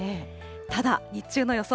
ただ日中の予想